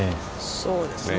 そうですね。